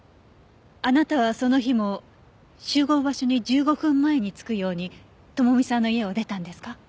あなたはその日も集合場所に１５分前に着くように智美さんの家を出たんですか？